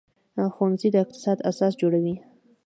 ښوونځی د اقتصاد اساس جوړوي